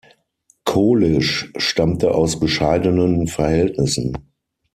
Kolisch stammte aus bescheidenen Verhältnissen.